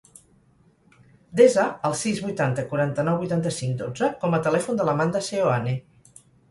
Desa el sis, vuitanta, quaranta-nou, vuitanta-cinc, dotze com a telèfon de l'Amanda Seoane.